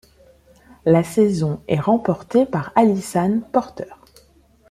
La saison est remportée par Alisan Porter.